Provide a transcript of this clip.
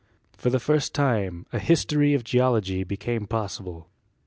For the first time a History of Geology became possible.